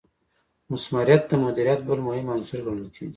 مثمریت د مدیریت بل مهم عنصر ګڼل کیږي.